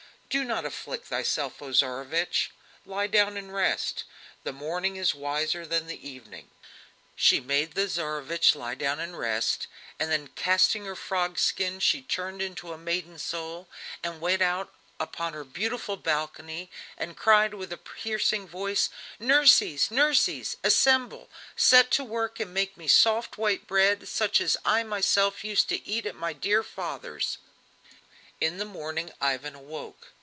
"Do not afflict thyself, O Tsarevich! lie down and rest. The morning is wiser than the evening." She made the Tsarevich lie down and rest, then, casting her frog skin, she turned into a maiden soul, went out upon her beautiful balcony, and cried with a piercing voice: "Nurseys nurseys! assemble, set to work and make me soft white bread such as I myself used to eat at my dear father's!" In the morning Ivan awoke.